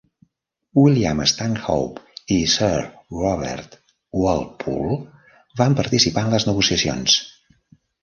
William Stanhope i Sir Robert Walpole van participar en les negociacions.